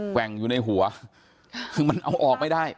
ว่งอยู่ในหัวคือมันเอาออกไม่ได้